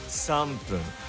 ３分。